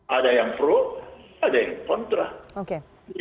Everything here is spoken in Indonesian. ada yang pro ada yang kontra